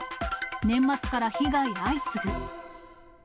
年末から被害相次ぐ。